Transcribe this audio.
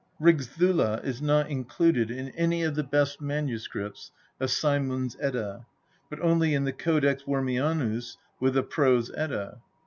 Rigsjmla is not included in any of the best MSS. of Saemund's Edda, but only in the Codex Wormianus with the Prose Edda.